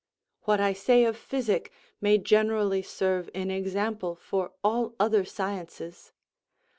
What I say of physic may generally serve in example for all other sciences.